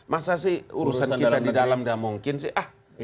masa sih urusan kita di dalam tidak mungkin sih